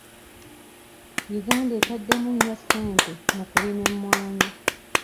Uganda etaddemu nnyo ssente mu kulima emmwanyi.